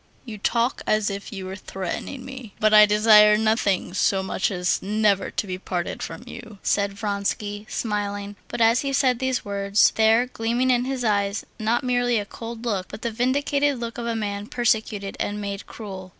"You talk as if you were threatening me. But I desire nothing so much as never to be parted from you," said Vronsky, smiling. But as he said these words there gleamed in his eyes not merely a cold look, but the vindictive look of a man persecuted and made cruel.